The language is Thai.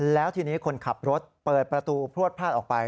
แล้วทีนี้คนขับรถเปิดประตูพลวดพลาดออกไป